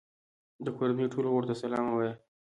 د کورنۍ ټولو غړو ته سلام ووایه.